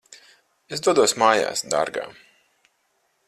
Es dodos mājās, dārgā.